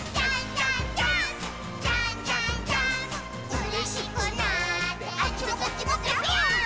「うれしくなってあっちもこっちもぴょぴょーん」